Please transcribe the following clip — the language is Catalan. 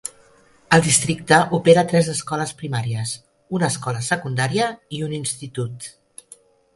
El districte opera tres escoles primàries, una escola secundària i un institut.